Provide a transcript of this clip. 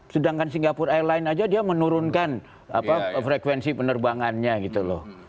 sedangkan singapura airline aja dia menurunkan frekuensi penerbangannya gitu loh